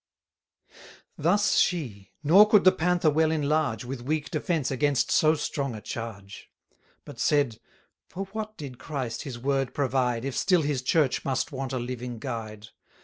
Thus she, nor could the Panther well enlarge With weak defence against so strong a charge; But said: For what did Christ his Word provide, If still his Church must want a living guide?